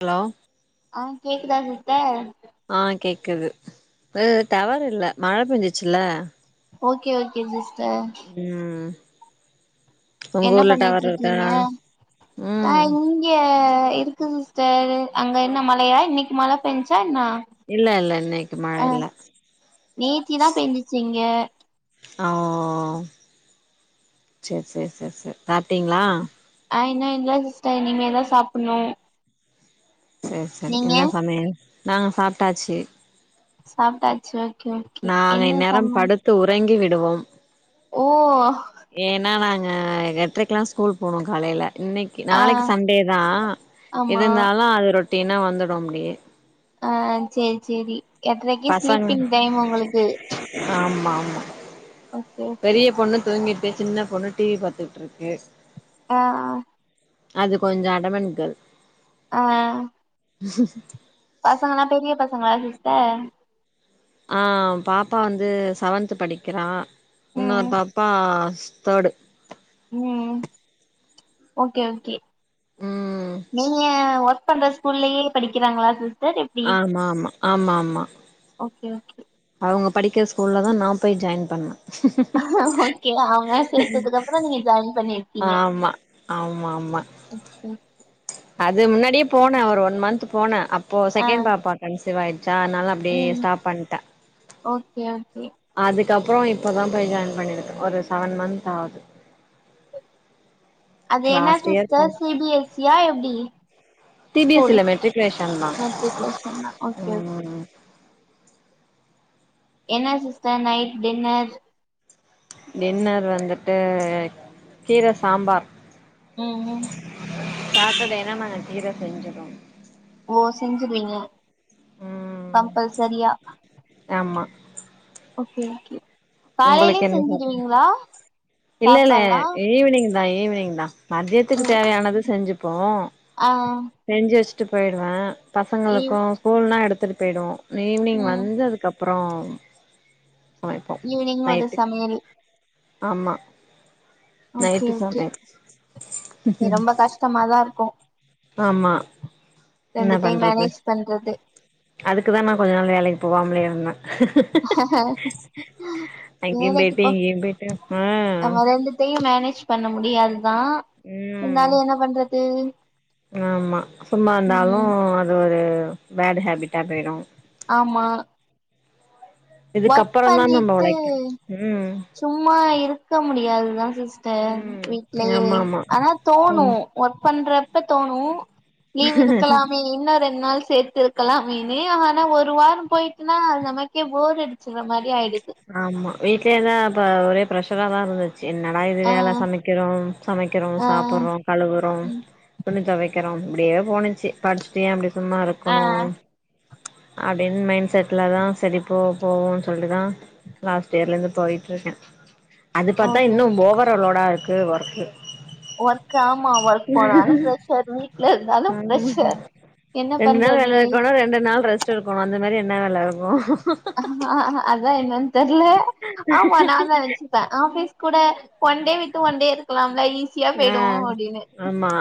hello ஆ கேக்குதா sister ஆ கேக்குது ம் டவர் இல்ல மழ பெஞ்சுசில்ல ஓகே ஓகே சிஸ்டர் உங்க என்ன ஊர்ல பண்ணிட்டு டவர் இருக்கா ஏ இருக்கு சிஸ்டர் அங்க என்ன மழையா இன்னைக்கி மழ பெஞ்சா என்ன இல்ல இல்ல இன்னைக்கு மழ ஆ இல்ல நேத்திதா பெஞ்சிச்சி இங்க அ ஓ செரி செரி செரி செரி சாப்டீங்ளா ஆ இன்னு இல்ல சிஸ்டர் இனிமேதா சாப்பணு சரி சரி என்ன சமையல் நாங் சாப்ட்டாச்சு சாப்ட்டாச்சு ஓகே நாங்க என்ன இந்நேரம் சம படுத் த்து உறங்கி விடுவோம் ஓ ஏன்னா நாங்க ஏட்ரை க்லா ஸ்கூல் போனு காலைல இன்னைக்கு ஆ நாளைக்கு சண்டே தா ஆமா இருந்தாலு அது ரொட் டினா வந்துடு அப்டியே ஆ சேரி சேரி எட்ரைக்கு ஸ்லீப்பிங் டைம் உங்களுக்கு ஆமாமா ஓகே ஓகே பெரிய பொண்ணு தூங்கிட் டு சின்ன பொண்ணு டிஸவி பாத்துட்ருக்கு ஆ அது கொஞ்சோ அடமன்ட் கேள் ஆ பசங்கன்னா பெரிய பசங்களா சிஸ்டர் ஆ பாப்பா வந்து செவன்த்து படிக்கிறா இன்னொரு ம் பாப்பா ஸ்தேடு ம் ஓகே ஓகே ம் நீங்க ஒர்க் பண்ற ஸ்கூல்லேயே படிக்கிறாங்களா சிஸ்டர் எப்டி ஆமாமா ஆமாமா ஓகே ஓகே அவங்க படிக்கிற ஸ்கூல்ல தா நா போய் ஜாய்ன் பண்ண ஓகே அவுங்கலா சேத்ததுக்கு அப்புறோ நீங்க ஜாய்ன் பண்ணிருக்கீங்க ஆமா ஆமா ஆமா ம் அது முன்னாடியே போன ஒரு ஒன் மன்த் போன அப் ப்போ ஆ செகேன் பாப்பா கன்சிவ் ஆய்ச்சா அனால அப்டியே ம் ஸ்டாப் பன்ட ஓகே ஓகே அதுக்கப்புறோ இப்போதா போய் ஜாயான் பண்ணிருக்க ஒரு சவன் மன்த் ஆது அது என்ன லாஸ்ட் இயர் போனே sister C B S C யா எப்டி சி பி எஸ் இல்ல மெட்ரிக்குலேஷன் தா துக்லே சொன்னா ஓகே ஆய்சி ம் என்ன சிஸ்டர் நைட் டின்னர் டின்னர் வந்துட்டு கீர சாம்பார் ம் ம் சாட்டடே ஆனா நாங்க கீர செஞ்சிடோ ஓ செஞ்சுடுவீங்க ம் கம்பல்சரியா ஆமா ஓகே ஓகே உங்களுக்கு காலையிலயே என்ன சாப்பாடு செஞ்சிடுவீங்களா இல்ல இல்ல சாப்பாட்லா ஈவினிங் தா ஈவினிங் தா ஓ மந்தியத்துக்கு தேவையானது செஞ்சுப்போ ஆ செஞ்சு வெச்சுட்டு போய்டுவ ஈவ் பசங்களுக்கு ஸ்கூல்னா எடுத்துட்டு பேய்டுவோ ஈவ்னிங் ம் வந்து அதுக்கப் ப்புறோ சமைப்போ ஈவ்னிங்கு ஒரு நைட்டுக்கு சமையல் ஆமா ஓகே நைட்டு ஓகே சமைக் தமாதா இருக்கு ஆமா என்ன ரெண்டுத்தையு பண்றது மேனேஜ் பண்றது அதுக்குதா நா கொஞ்ச நாள் வேலைக்கு போவாமலே இருந்தே அங்கேயு வேலைக்கு பொய்ட்டு இங்கேயு பொய்ட்டு ஆ டையு மேனேஜ் பண்ண முடியாதுதா ம் இருந்தாலு என்ன பண்றது ஆமா சும்மா இருந்தாலு ம் அது ஒரு பேட் ஹேபிட்டா போயிடு ஆமா இதுக் ஒர்க் அப்றோ தா நம்மோ பண்ணிட்டு ஒழைக்கனு ம் சும்மா இருக்க முடியாதுதா சிஸ்டர் ம் வீட்லயே ஆமா ஆமா ஆனா தோணு ம் ஒர்க் பண்றப்ப தோணு லீவ் இருக்கலாமே இன்னு ரெண் நாள் சேத்து க்கலாமீனு ஆனா ஒரு வாரோ போயிட்டுனா நமக்கே போர் அடிச்சுற மாரி ஆயிடு ஆமா வீட்லயேதா ப ஒரே பிரெஷரா தா இருந்து என்னடா இது ஆ வேல சமைக்கிறோ சமைக்கிறோ ஆ சாப்புறோ கழுவுறோ துணி துவைக்கிறோப் அப்டியே போணுச்சு படிச்சுட்டு ஏ இப்டி சும்மா ஆ இருக்கணு அப்டின்னு மைண்ட் செட்ல தா சரி போ போவோன்னு சொல்டுதா லாஸ்ட் இயர்லே இருந்து போயிட்டு இருக்க அது பாத்தா ஓகே இன்னு ஓவர்லோடா இருக்கு ஒர்க் கே ஒர்க் ஆமா ஒர்க் போனாலு ப்ரெஷர் வீட்ல இருந்தாலு ஆமா ப்ரெஷர் என்ன ரெண்டு நாள் பண்றது வேல இருக்கணு ரெண்டு நாள் ரெஸ்ட் இருக்கணு அந்த மாரி என்ன வேல இருக்கோ அத என்ன தெர்ல ஆமா நா த அசி இப்ப ஆபிஸ் கூட ஒன் டே வி ஒன் டே இருக்கலாம்ல ஈஸியா ஆ போயிடு அப்டின்னு ஆமா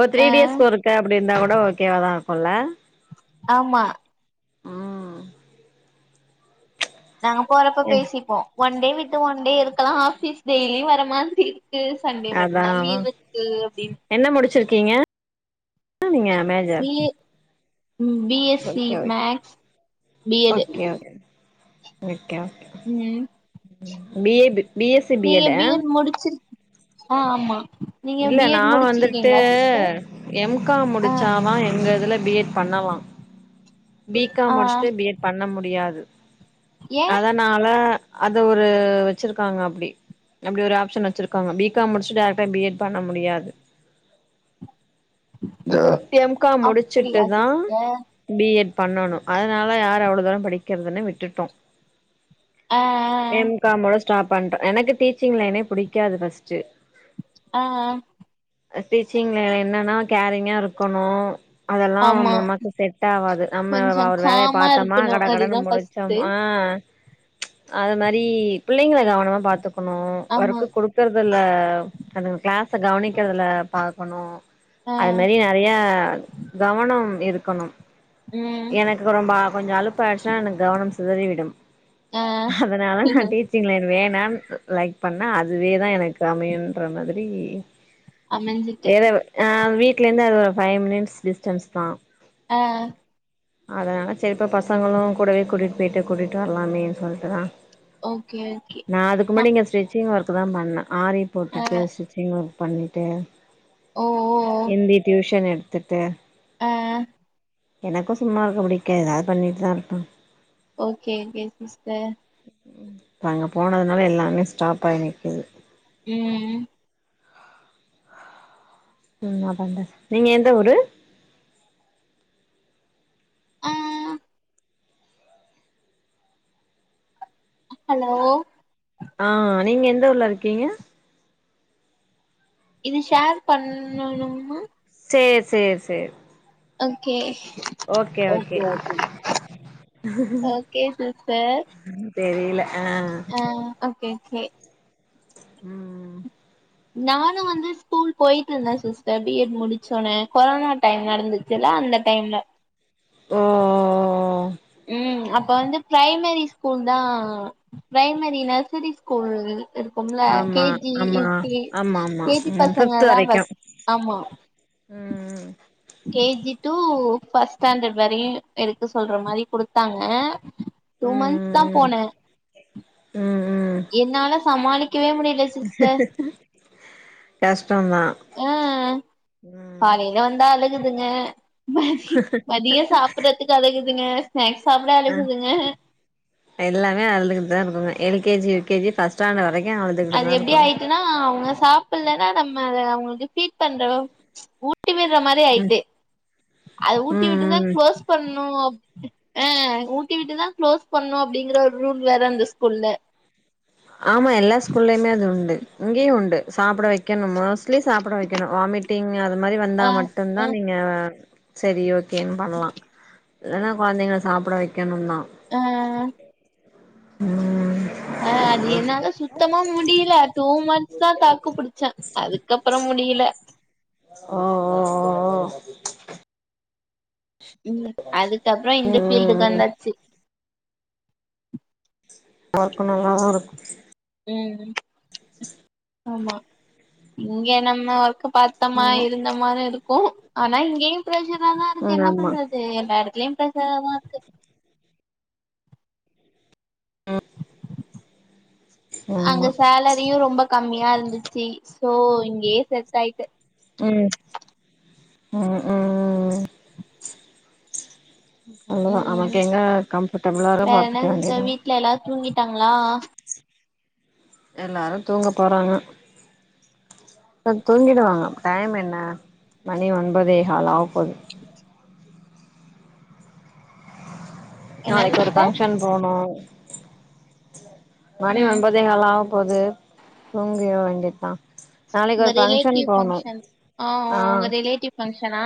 ஒரு ஆ த்ரீ டேஸ் ஒரு க்க அப்டி இருந்தா கூட ஓகே வாதா இருக்குல்ல ஆமா நாங்க போறப்ப பேசிப்போ ஒன் டே விட்டு ஒன் டே இருக்கலா ஆபீஸ் டெய்லியு வர மாதிரி இருக்கு சண்டே அதா மட்டுதா அதா லீவு க்கு அப்டின்னு என்ன முடிச்சிருக்கீங்க என்னா நீங்க [unintelligible] B A B S C okay okay maths B எடு நெட்கேஃப்ட் ம் ம் பி எடு நீங்க பி எட் முடிச்சிரு ஆ ஆமா நீங்க இல்ல பி நா எட் வந்துட்டு முடிச்சிருக்கீங்களா சிஸ்டர் எம் காம் ஆ முடிச்சாதா எங்க இதுல பி எட் பண்ணலா பி ஆ காம் முடிச்சுட்டு பி எட் பண்ண முடியாது ஏ அதா னால அத ஒரு வச்சுருக்காங்க அப்டி அப்டி ஒரு ஆப்ஷன் வச்சுருக்காங்க பி காம் முடிச்சு டேரக்டா பி எட் பண்ண முடியாது எம் காம் அப்படியா முடிச்சுட்டுதா சிஸ்டர் பி எட் பண்ணணு அதனால யார் அவ்ளோ தூரம் படிக்கிறதுன்னு விட்டுட்டோ ஆ எம் காமோட ஸ்டாப் பண்டோ எனக்கு டீச்சிங் லைனே பிடிக்காது ஃபர்ஸ்ட்டு ஆ ஆ டீச்சிங் லைன் என்னென்ன கேரிங்கா இருக்கணு அதெல்லா ஆமா நம்மக்கு செட் ஆவாது நம்ம கொஞ்சோ அவ ஒரு வேலய காமா பாத்தோமா இருக்கணு கட அதுதா கடனு முடிச் ஃபஸ்ட்டு சமா ஆ அது மாரி புள்ளைங்கள கவனமா பாத்துக்கணு ஆமா ஒர்க்கு குடு இருக்றதுல அது கிளாஸ கவனிக்கிறதுல பாக்கணு ஆ அது மாரி நெறைய கவனம் இருக்கணு ம் ரொம்ப கொஞ்சோ அழுப்பாயிடுச்சுன்னா எனக்கு கவனம் சிதறிவிடும் ஆ அதனால நா டீச் சிங் லைன் வேணான்னு லைக் பண்ணா அதுவே தா எனக்கு அமையுன்ற மாதிரி அமைஞ்சிட்டு வேற அ வீட்லேருந்து அது ஒரு ஃபைவ் மினிட்ஸ் டிஸ்டன்ஸ் தா அ அதனால சரிப்பா பசங்களு கூடவே கூட்டிட்டு போய்ட்டு கூட்டிட்டு வரலாமேனு சொல்லிட்டுதா ஓகே ஓகே நா அதுக்கு ஆ முன்னாடி இங்க ஸ்டிச்சிங் ஒர்க் தா பண்ணே ஆரி ஆ போட்டுட்டு ஸ்டிச்சிங் ஒர்க் பண்ணிட்டு ஓ ஓ இந்தி டியூஷன் எடுத்துட்டு அ எனக்கு சும்மா இருக்க பிடிக்காது ஏதாது பண்ணிட்டு தாருப்பே ஓகே ஓகே சிஸ்டர் இப்ப அங்க போனதுனால எல்லாமே ஸ்டாப் ஆயி நிக்குது ம் ம் என்ன பண்றது நீங்க எந்த ஊரு அ ஹலோ அ நீங்க எந்த ஊர்லருக்கீங்க இது ஷேர் பண்ணணும்மா சேர் சேர் சேர் okay okay okay okay sister தெரில ஆ ஆ ஓகே ஓகே ம் நானு வந்து ஸ்கூல் போய்ட்டு இருந்தே சிஸ்டர் பி எட் முடிச்சடனே கொரோனா டைம் நடந்துச் சுல்ல அந்த டைம்ல ஒ ம் அப்போ வந்து ப்ரைமரி ஸ்கூல் தா ப்ரைமரி நர்சரி ஸ்கூல் இருக்கும்ல கே ஆமா ஜி ஆமா யு கே ஆமா ஆமா கே ஜி ம் ஃபிப்து பசங்கல்லா வரைக்கு ஃபஸ்ட்டு ஆமா ம் K G to first standard வரையு எடுக்கு சொல்ற மாரி குடுத்தாங்க டூ மந்த்ஸ் தா ம் ம் போனே ம் ம் என்னால சமாளிக்கவே முடில சிஸ்டர் கஷ்டந்தா ஆ ம் காலை லருந்து அழுகுதுங்க மதி மதியோ சாப்புற துக்கு அழுகுதுங்க ஸ்நாக்ஸ் சாப்ட அ அழுகுதுங்க எல்லாமே அழுதுகுட்டுதா இருக்குங்க L K G U K G first standard வரைக்கு அழுதுகுட்டுதா இருக்குங்க னா அவுங்க சாப்டலன்னா நம்ம அத அவுங்களுக்கு பீட் பண்றே மேம் ஊட் டி விட்ற மாரி ஆயிட்டு அத ஊட்டி ம் விட்டுதா ம் குளோஸ் பண்ணுனு அ ஊட்டி விட்டுதா க்ளோஸ் பண்ணுனு அப்டிங்ற ஒரு ரூல் வேற அந்த ஸ்கூல்ல ஆமா எல்லா ஸ்கூல்லயுமே அது உண்டு இங்கேயு உண்டு சாப்ட வைக்கணு மோஸ்ட்லி சாப்ட வைக்கணு வாமிட் டிங் அது மாரி வந்தா ஆ மட்டுந்தா ஆ நீங்க செரி ஓகேன்னு பண்லா இல்லன்னா கொழந்தைங்கள சாப்ட வைக்கணுந் தா ஆ ம் ஆ அது என்னால சுத் சுத்தமா முடியில டூ மந்த்ஸ் தா தாக்கு புடிச்ச அதுக்கப்புறம் முடியில ஆ ஆ ஆ ஆ ம் அதுக்கப்றோ ஓ இந்த ஃபீல்டுக்கு ம் வந்தாச்சு ஓப்பனிங் நல்லாருக்கும் ம் ஆமா இங்க நம்ம ஒர்க்க பாத் த்தம்மா ம் இருந்தம்மா மாரி இருக்கும் ஆனா இங்கேயும் பிரஷரா தா இருக்கு என்ன ஆமா பண்றத் எல்லா எடத்துலயும் பிரஷரா தா இருக்கு ம் அங்க சேலரியும் ரொம்ப கம்மியா இருந்துச்சு சோ இங்கயே செட் ஆயிட்ட ம் ம் ம் ம் ம் அவ்ளதா ம் நமக் எங்க கம்ஃபர்டபிளாரு வேற என்ன பாத்துக்க வேண்டிய சிஸ்டர் தா வீட்ல எல்லாரு தூங்கிட்டாங்ளா எல்லாரும் தூங்க போறாங்க இப்ப தூங்கிடுவாங்க டைம் என்ன மணி ஒன்பதே கால் ஆவ போது என்ன நாளைக் ஒரு சிஸ்டர் பஃங்க்ஷன் போனு மணி ம் ஒன்பதே கால் ஆவ போது தூங்கிட வேண்டிதா உங்க ரிலேட்டிவ் பங்க்ஷன் ஆ ஆ உங்க ரிலேட்டிவ் பங்க்ஷனா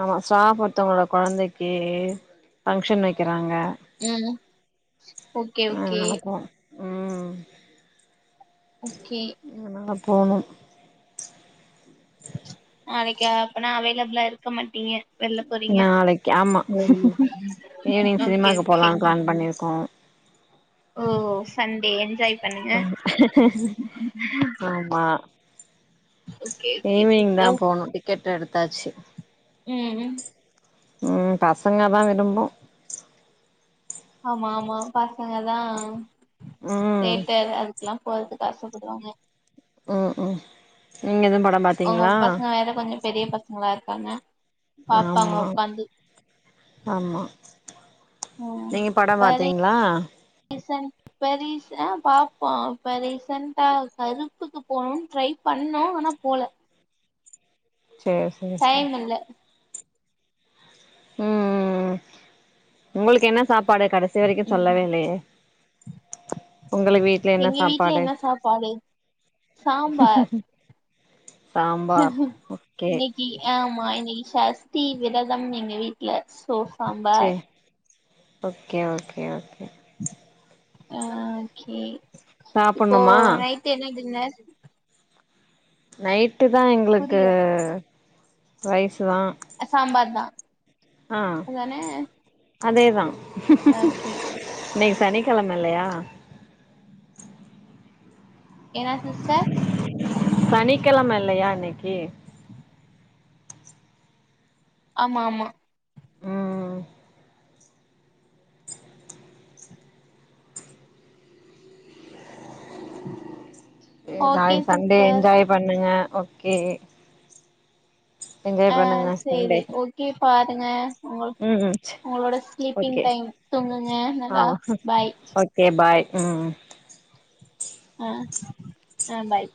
ஆமா ஸ்டாஃப் ஒருத்தவங்களோட கொழந்தைக்கு ஃபங்க்ஷன் வெக்கறாங்க ம் ஓகே ஓகே அதனால போனு ம் ஓகே ம் போணும் நாளைக்கு அப்பனா அவைல்லபுளா இருக்க மாட்டீங்க வெள்ல போறீங்க நாளைக்கு ஆமா ஈவினிங் ஓகே சினிமாக்கு ஓகே போலான்னு பிளான் பண்ணிருக்கோ ஓ சண்டே என்ஜாய் பண்ணுங்க மா ஓகே ஓகே ஈவ்னிங் தா சிஸ்டர் போணும் டிக்கெட் எடுத்தாச்சு ம் ம் ம் ம் பசங்க தா விரும்போ ஆமா ஆமா பசங்க தா ம் ரேட்டு அது அதுக்லாம் போறதுக்கு ஆசப்படுவாங்க ம் ம் நீங்க எதுவும் படம் பார் உங்க பசங்க வேற கொஞ்சம் பெரிய பசங்களா இருக்காங்க பாப்பாங்க ஆமா உக்காந்து ஆமா நீங்க படம் பாத்தீங்ளா என் சன் ப்ப ரிசன் ஆ பாப்போம் இப்ப ரிசன்ட்டா கருப்புக்கு போனும் ட்ரை பண்ணோம் ஆனா போல சேஸ் டைம் இல்ல ம் ம் ம் உங்களுக்கு என்ன சாப்பாடு கடைசி வரைக்கும் சொல்லவே ம் இல்லயே உங்களுக்கு வீட்ல என்ன எங்க வீட்ல சாப்பாடு என்ன சாப்பாடு சாம்பார் சாம்பார் ஓகே இன்னைக்கி ஆமா இன்னைக்கி சஸ்தி விரதம் எங்க வீட் இல சோ சே சாம்பார் ஓகே ஓகே ஓகே ஆ ஒகே இப்போ சாப்புட்ணுமா நைட்டு என்ன டின்னர் நைட்டு தா எங்களுக்கு புரியல ரைஸ்ஸு தா அ சாம்பார்தா ஆ அதேதா ஆகே ஓகே இன்னைக்கு சனிக்கெழம இல்லையா என்னா சிஸ்டர் சனிக்கெழம இல்லையா இன்னைக்கி ஆமா ஆமா ம் செர் ஓகே நாளைக்கி சண்டே சிஸ்டர் என்ஜாய் பண்ணுங்க ஓக்கே என்ஜாய் ஆ பண்ணுங்க சண்டே சேரி [unintelligible] பாருங்க உங்கள் ம் ம் உங்களோட ஸ்லீப்பிங் ஓகே டைம் தூங்குங்க நல்லா பாய் கே பாய் ம் ஆ ஆ பாய்